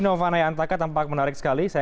novana yantaka tampak menarik sekali saya